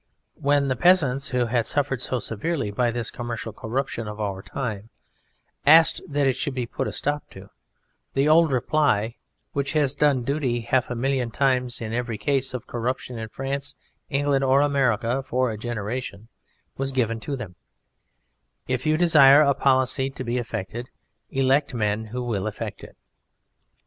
When the peasants who had suffered so severely by this commercial corruption of our time asked that it should be put a stop to, the old reply, which has done duty half a million times in every case of corruption in France, England, or America for a generation, was given to them: "If you desire a policy to be effected, elect men who will effect it."